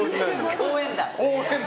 応援団！